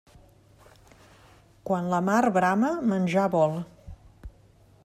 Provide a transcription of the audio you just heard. Quan la mar brama, menjar vol.